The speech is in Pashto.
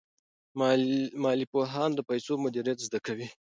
مالي پوهان د پیسو مدیریت زده کوي.